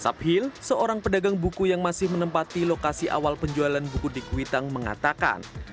sabhil seorang pedagang buku yang masih menempati lokasi awal penjualan buku di kuitang mengatakan